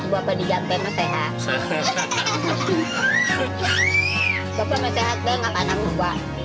bapak mesehat bapak anakmu